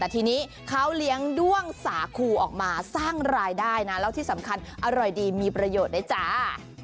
แต่ทีนี้เขาเลี้ยงด้วงสาคูออกมาสร้างรายได้นะแล้วที่สำคัญอร่อยดีมีประโยชน์ด้วยจ้า